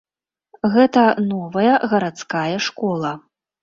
Гэта новая гарадская школа.